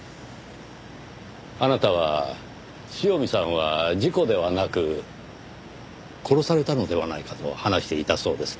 あなたは「塩見さんは事故ではなく殺されたのではないか」と話していたそうですねぇ。